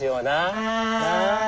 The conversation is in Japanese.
はい。